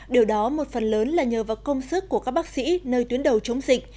điều đó một phần lớn là nhờ vào công sức của các bác sĩ nơi tuyến đầu chống dịch